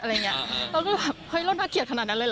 อะไรอย่างนี้แล้วก็เลยแบบเฮ้ยเราหน้าเกลียดขนาดนั้นเลยเหรอ